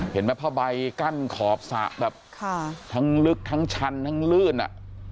เห็นไหมผ้าใบกั้นขอบสระแบบทั้งลึกทั้งชันทั้งลื่นอ่ะ